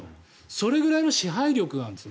それぐらいの支配力があるんです